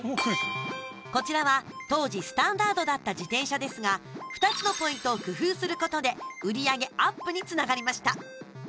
こちらは当時スタンダードだった自転車ですが、２つのポイントを工夫することで売り上げアップにつながりました。